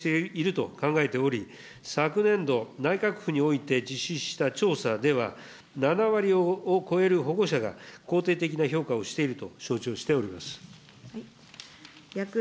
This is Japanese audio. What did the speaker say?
令和元年１０月の制度開始以降、着実に実施をされ、定着していると考えており、昨年度、内閣府において実施した調査では、７割を超える保護者が肯定的な評価をしていると承知をしております。